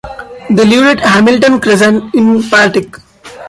They lived at Hamilton Crescent in Partick.